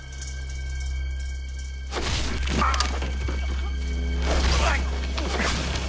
あっ！